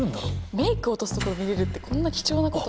メイク落とすところ見れるってこんな貴重なこと。